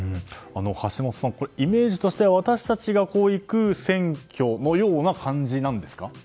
橋本さん、イメージとしては私たちが行く選挙のような感じなんですか？